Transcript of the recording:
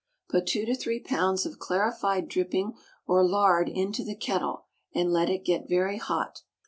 Put two to three pounds of clarified dripping or lard into the kettle, and let it get very hot.